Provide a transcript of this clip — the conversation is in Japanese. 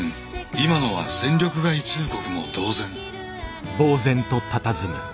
今のは戦力外通告も同然。